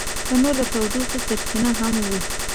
تنور د تودوخې سرچینه هم وي